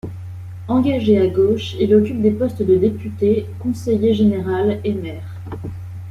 Engagé à gauche, il occupe des postes de député, conseiller général et maire.